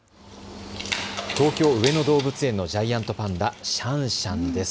東京上野動物園のジャイアントパンダ、シャンシャンです。